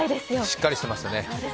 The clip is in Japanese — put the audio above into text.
しっかりしてましたね。